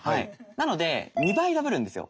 なので２倍ダブるんですよ。